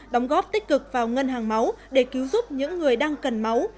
đóng góp tích cực vào ngân hàng máu để cứu giúp những người đang cần máu